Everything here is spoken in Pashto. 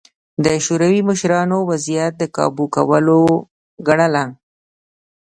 د شوروي مشرانو وضعیت د کابو کولو ګڼله